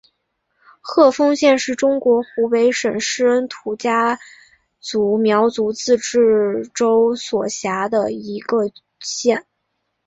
鹤峰县是中国湖北省恩施土家族苗族自治州所辖的一个县。